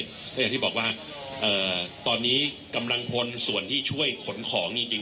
เพราะอย่างที่บอกว่าตอนนี้กำลังพลส่วนที่ช่วยขนของจริง